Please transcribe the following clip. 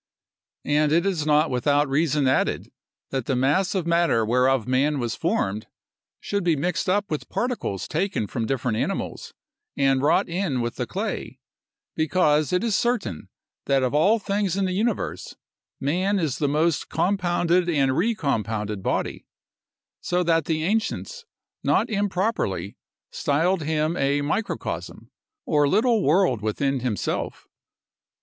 And it is not without reason added, that the mass of matter whereof man was formed, should be mixed up with particles taken from different animals, and wrought in with the clay, because it is certain, that of all things in the universe, man is the most compounded and recompounded body; so that the ancients, not improperly, styled him a Microcosm, or little world within himself.